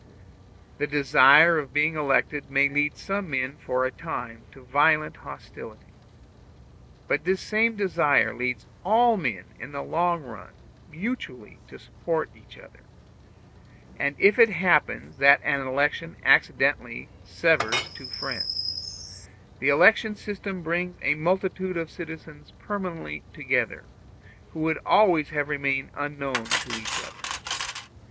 The desire of being elected may lead some men for a time to violent hostility; but this same desire leads all men in the long run mutually to support each other; and if it happens that an election accidentally severs two friends, the electoral system brings a multitude of citizens permanently together, who would always have remained unknown to each other.